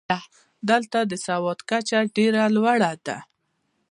دلته د سواد کچه هم ډېره لوړه ده.